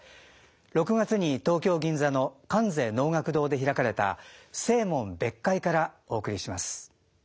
６月に東京・銀座の観世能楽堂で開かれた清門別会からお送りします。